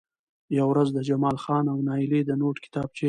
يوه ورځ د جمال خان او نايلې د نوټ کتابچې